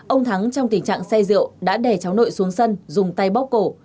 ông thắng trong tình trạng say rượu đã đè cháu nội xuống sân dùng tay bóc cổ